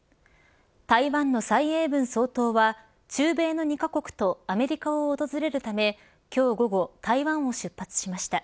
台湾の蔡英文総統は中米の２カ国とアメリカを訪れるため今日午後、台湾を出発しました。